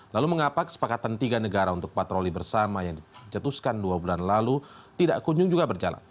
lalu mengapa kesepakatan tiga negara untuk patroli bersama yang dicetuskan dua bulan lalu tidak kunjung juga berjalan